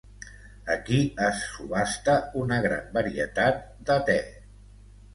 Aquí es subhasta una gran varietat de te.